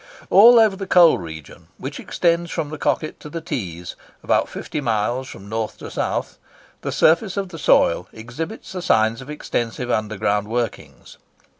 All over the coal region, which extends from the Coquet to the Tees, about fifty miles from north to south, the surface of the soil exhibits the signs of extensive underground workings.